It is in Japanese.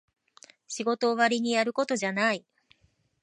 仕事終わりにやることじゃない